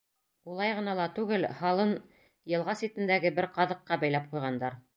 Улай ғына ла түгел, һалын йылға ситендәге бер ҡаҙыҡҡа бәйләп ҡуйғандар.